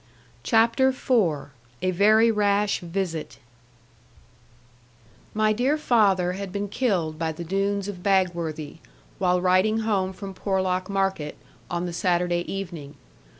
CHAPTER IV A VERY RASH VISIT My dear father had been killed by the Doones of Bagworthy, while riding home from Porlock market, on the Saturday evening.